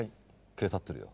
毛立ってるよ。